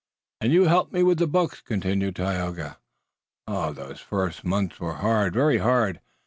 "And you helped me with the books," continued Tayoga. "Ah, those first months were hard, very hard!"